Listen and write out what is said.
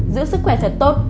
giữ sức khỏe sạch tốt